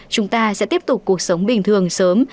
chúng ta sẽ tiếp tục cuộc sống bình thường sớm